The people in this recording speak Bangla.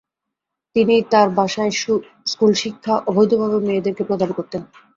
তিনি তার বাসায় স্কুল শিক্ষা অবৈধভাবে মেয়েদেরকে প্রদান করতেন।